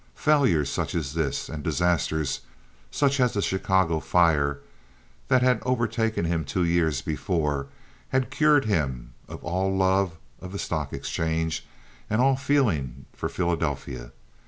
Failures such as this, and disasters such as the Chicago fire, that had overtaken him two years before, had cured him of all love of the stock exchange and all feeling for Philadelphia.